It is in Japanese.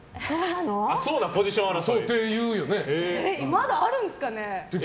まだあるんですかね。